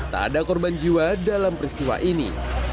tak ada korban jiwa dalam peristiwa ini